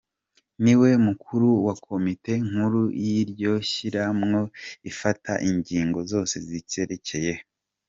Ni we mukuru wa komite nkuru y'iryo shirahamwe ifata ngingo zose ziryerekeye.